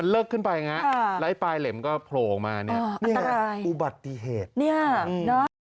นี่คืออุบัติที่แห่ง